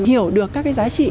hiểu được các cái giá trị